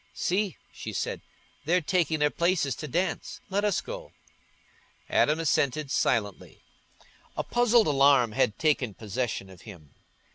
"See," she said, "they're taking their places to dance; let us go." Adam assented silently. A puzzled alarm had taken possession of him.